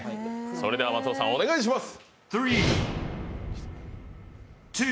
それでは松尾さん、お願いします。